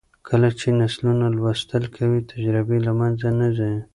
کله چې نسلونه لوستل کوي، تجربې له منځه نه ځي.